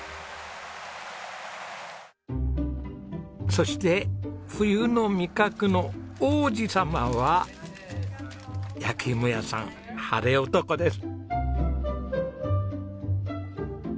そして冬の味覚の王子様は焼き芋屋さんハレオトコです。